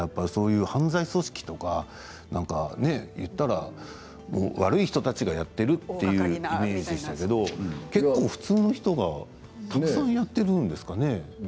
犯罪組織とか言ったら、悪い人たちがやっているというイメージですけど結構、普通の人がたくさんやってるんですかね。